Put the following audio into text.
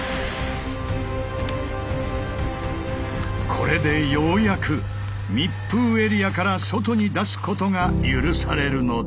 これでようやく密封エリアから外に出すことが許されるのだ。